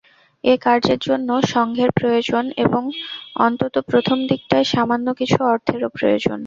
এ কার্যের জন্য সঙ্ঘের প্রয়োজন এবং অন্তত প্রথম দিকটায় সামান্য কিছু অর্থেরও প্রয়োজন।